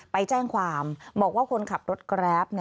ไปแจ้งความบอกว่าคนขับรถแกรป